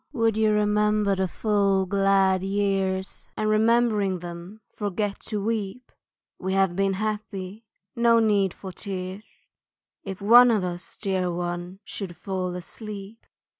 Would you remember the full glad years, And remembering them forget to weep? We have been happy, no need for tears If one of us, dear one, should fall asleep.